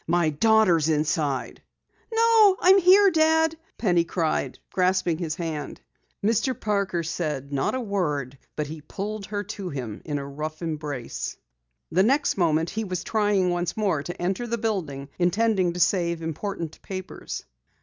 "My daughter's inside!" "No, here I am, Dad!" Penny cried, grasping his hand. Mr. Parker said no word, but he pulled her to him in a rough embrace. The next moment he was trying once more to enter the building, intending to save important papers.